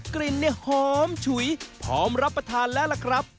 กลิ่นเนี่ยหอมฉุยพร้อมรับประทานแล้วล่ะครับ